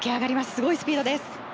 すごいスピードです。